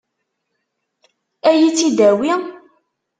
Ad iyi-tt-id-tawi?